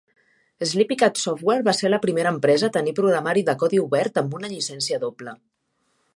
Sleepycat Software va ser la primera empresa a tenir programari de codi obert amb una llicència doble.